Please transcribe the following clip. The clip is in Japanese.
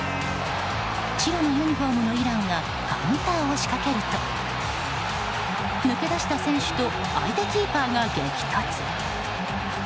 白のユニホームのイランがカウンターを仕掛けると抜け出した選手と相手キーパーが激突。